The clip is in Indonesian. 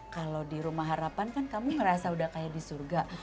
kalau di rumah harapan kan kamu ngerasa udah kayak di surga